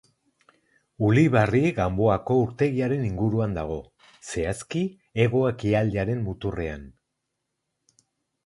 Ulibarri-Ganboako urtegiaren inguruan dago, zehazki hego-ekialdearen muturrean.